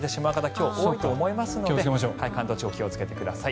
今日は多いと思いますので関東地方、気をつけてください。